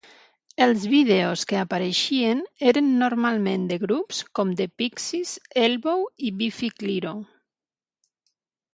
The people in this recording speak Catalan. Els vídeos que apareixien eren normalment de grups com The Pixies, Elbow i Biffy Clyro.